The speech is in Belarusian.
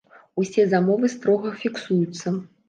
Усе замовы строга фіксуюцца.